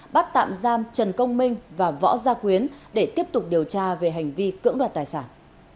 bắt tạm giam trần công minh và võ gia quyến để tiếp tục điều tra về hành vi cưỡng đoạt tài sản